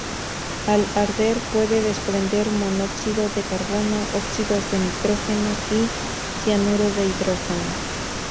Al arder puede desprender monóxido de carbono, óxidos de nitrógeno y cianuro de hidrógeno.